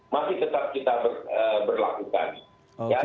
masih tetap kita berlaku